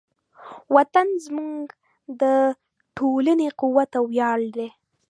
وطن زموږ د ټولنې قوت او ویاړ دی.